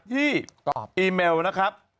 ที่ตอบอีเมลนะครับ